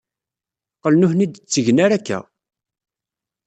Qqlen ur ten-id-ttgen ara akka.